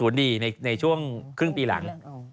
๖๐คืนดีในช่วงครึ่งปีหลัง